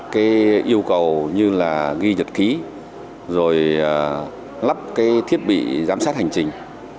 cái yêu cầu như là ghi nhật ký rồi lắp cái thiết bị giám sát hành trình